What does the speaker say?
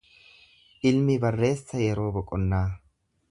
Ilmi barreessa yeroo boqonnaa.